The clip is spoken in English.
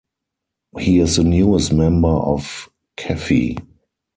He is the newest member of Kaffe.